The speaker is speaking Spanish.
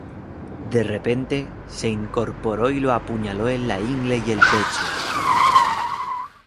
De repente, se incorporó y lo apuñaló en la ingle y el pecho.